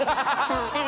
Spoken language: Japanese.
そう。